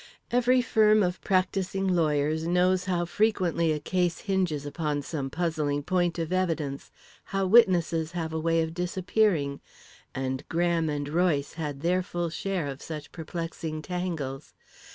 Every firm of practising lawyers knows how frequently a case hinges upon some puzzling point of evidence how witnesses have a way of disappearing and Graham & Royce had their full share of such perplexing tangles.